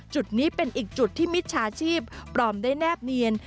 จุดนี้เป็นอีกจุดที่มิจฉาชีพปลอมได้แนบเนียน